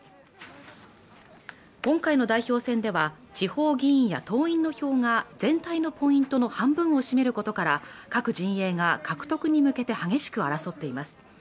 今回の代表選では地方議員や党員の票が全体のポイントの半分を占めることから各陣営が獲得に向けて激しく争っています